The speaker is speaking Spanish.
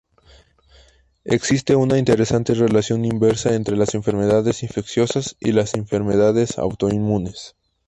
Existe una interesante relación inversa entre las enfermedades infecciosas y las enfermedades autoinmunes.